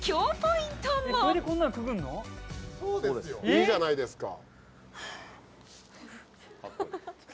いいじゃないですか。